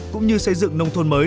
cũng như xây dựng nông thôn mới